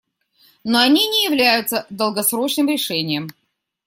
Но они не являются долгосрочным решением.